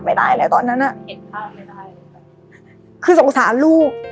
ตอนนั้นน่ะเห็นถ้าก็ไม่ได้ค่ะคือสงสารลูก